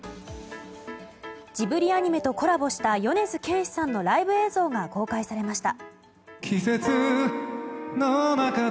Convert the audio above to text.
ジブリアニメとコラボした米津玄師さんのライブ映像が公開されました。